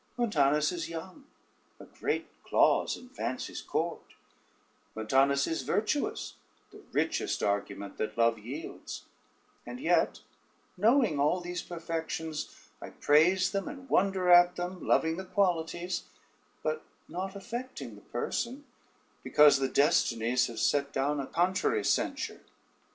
Montanus is young, a great clause in fancy's court; Montanus is virtuous, the richest argument that love yields; and yet knowing all these perfections, I praise them and wonder at them, loving the qualities, but not affecting the person, because the destinies have set down a contrary censure.